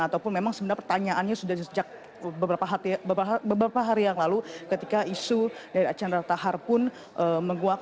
ataupun memang sebenarnya pertanyaannya sudah sejak beberapa hari yang lalu ketika isu dari archandra tahar pun menguak